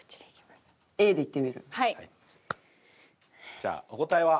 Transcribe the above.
じゃあお答えは？